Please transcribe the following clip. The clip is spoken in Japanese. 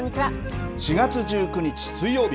４月１９日水曜日。